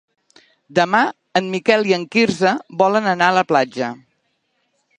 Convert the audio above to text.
Demà en Miquel i en Quirze volen anar a la platja.